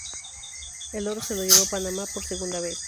El oro se lo llevó Panamá por segunda vez.